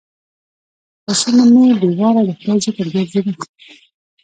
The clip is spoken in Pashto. پر شونډو مې بې واره د خدای ذکر ګرځېده.